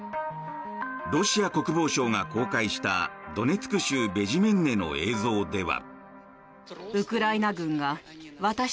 ロシア国防省が公開したドネツク州ベジメンネの映像では。